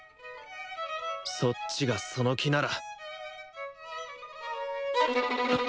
そっちがその気なら！